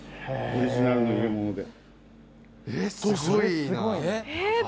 すごいな。